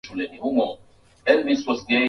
anchi muliohudhuria hapa na wazanzibari wote